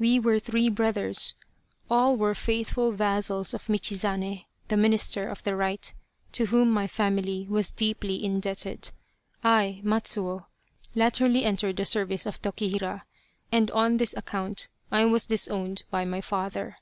We were three brothers. All were faithful vassals of Michizane, the Minister of the Right, to whom my family was deeply indebted. I, Matsuo, latterly entered the service of Tokihira, and on this account I was disowned by my father.